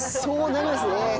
そうなりますね。